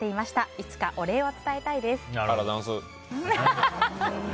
いつかお礼を伝えたいです。